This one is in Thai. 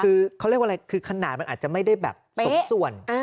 คือเขาเรียกว่าอะไรคือขนาดมันอาจจะไม่ได้แบบสมส่วน